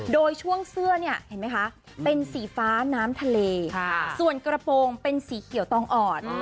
โดยช่วงเสื้อเป็นสีฟ้าน้ำทะเลส่วนกระโปรงเป็นสีเขียวตองอ่อน